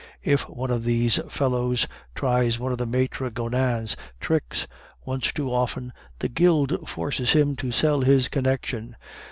If one of these fellows tries one of Maitre Gonin's tricks once too often, the guild forces him to sell his connection.